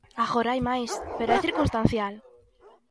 Agora hai máis, pero é circunstancial.